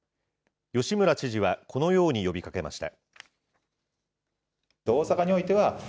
吉村知事はこのようにかけました。